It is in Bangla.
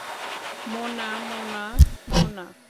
মোনা, মোনা, মোনা!